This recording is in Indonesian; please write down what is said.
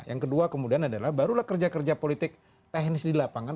yang kedua kemudian adalah barulah kerja kerja politik teknis di lapangan